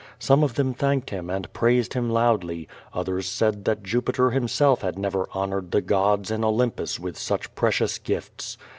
Some of them thanked him and praised him loudly, others said that Jupiter himself had never honored the gods in Olympus with such precious gifts.